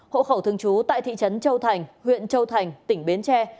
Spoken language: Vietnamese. hộ khẩu thương chú tại thị trấn châu thành huyện châu thành tỉnh biến tre